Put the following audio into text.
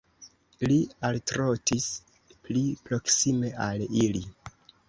Li altrotis pli proksime al ili.